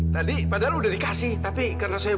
tadi padahal udah dikasih tapi karena saya